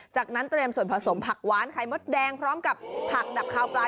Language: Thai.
จากนั้นเตรียมส่วนผสมผักหวานไข่มดแดงพร้อมกับผักดับคาวปลา